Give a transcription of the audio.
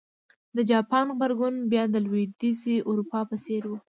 د جاپان غبرګون بیا د لوېدیځې اروپا په څېر و.